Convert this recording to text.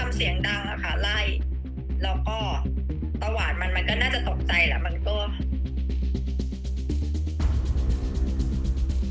มันก็จะตกใจละมันก็น่าจะตกใจละมัน